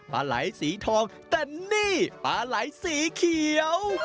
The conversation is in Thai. ปลาไหลสีทองแต่นี่ปลาไหลสีเขียว